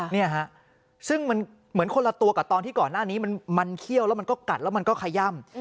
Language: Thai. นี่ฮะซึ่งมันเหมือนคนละตัวกับตอนที่ก่อนหน้านี้มันเขี้ยวแล้วมันก็กัดแล้วมันก็ขย่ำ